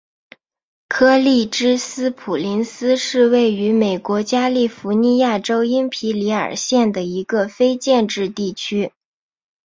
柯立芝斯普林斯是位于美国加利福尼亚州因皮里尔县的一个非建制地区。